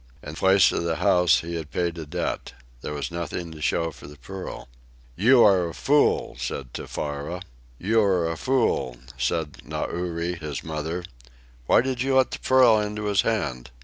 In place of the house, he had paid a debt. There was nothing to show for the pearl. "You are a fool," said Tefara. "You are a fool," said Nauri, his mother. "Why did you let the pearl into his hand?"